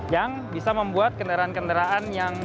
yang bisa membuat kendaraan kendaraan yang